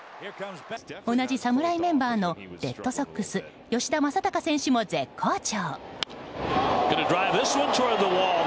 同じ侍メンバーのレッドソックス吉田正尚選手も絶好調。